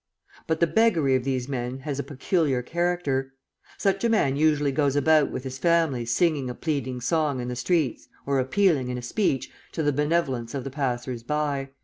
But the beggary of these men has a peculiar character. Such a man usually goes about with his family singing a pleading song in the streets or appealing, in a speech, to the benevolence of the passers by.